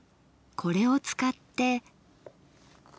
これを使って。